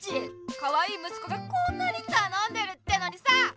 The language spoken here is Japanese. かわいいむすこがこんなにたのんでるってのにさ！